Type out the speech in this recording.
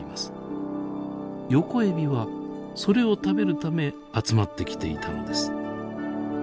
ヨコエビはそれを食べるため集まってきていたのです。